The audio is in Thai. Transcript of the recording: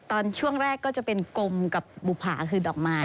ตอนช่วงแรกก็จะเป็นกลมกับบุภาคือดอกไม้